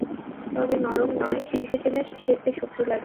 তবে নরম নয় চিমটে টেনে ছিড়তে শক্তি লাগে।